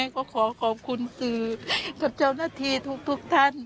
ก็ขอขอบคุณกับเจ้านัทธีทุกท่าน